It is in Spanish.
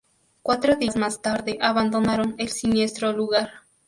Cuatro días más tarde abandonaron el siniestro lugar.